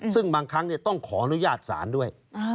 ซึ่งบางครั้งต้องขออนุญาตศาลด้วย